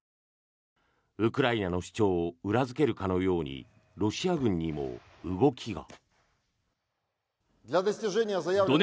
ウクライナの主張を裏付けるかのようにロシア軍にも動きが。